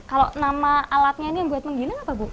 kalau nama alatnya ini yang buat menggiling apa bu